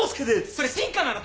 それ進化なの？